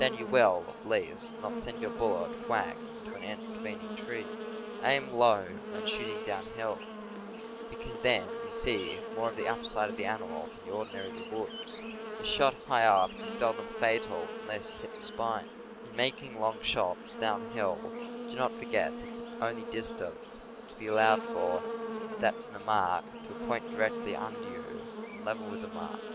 Then you will, at least, not send your bullet whack into an intervening tree. 98 CAMPING AND WOODCRAFT Aim low when shooting downhill, because then you see more of the upper side of the animal than you ordi narily would. A shot high up is seldom fatal, unless you hit the spine. In making long shots downhill, do not forget that the only distance to be allowed for is that from the mark to a point directly under you and level with the mark.